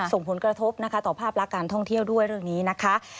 ส่งผลกระทบนะคะต่อภาพลักษณ์การท่องเที่ยวด้วยเรื่องนี้นะคะ